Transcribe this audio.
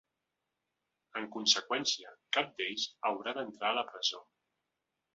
En conseqüència, cap d’ells haurà d’entrar a la presó.